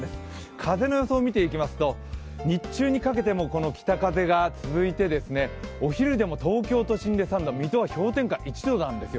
風の予想を見ていきますと、日中にかけても北風が続いて、お昼でも東京都心で３度、水戸が氷点下１度なんですよ。